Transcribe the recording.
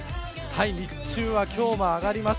日中は今日も上がります。